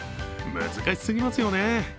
難しすぎますよね。